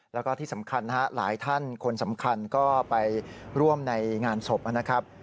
แล้วก็ที่สำคัญนะฮะหลายท่านคนสำคัญก็ไปร่วมในงานศพนะครับ